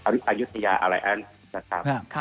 อริฐายุธยาอะไรอั้นนะครับครับ